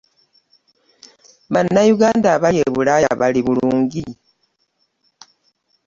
Bannayuganda abali e Bulaaya bali bulungi?